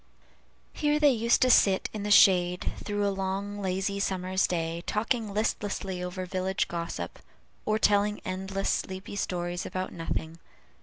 Here they used to sit in the shade through a long, lazy summer's day, talking listlessly over village gossip, or telling endless, sleepy stories about nothing.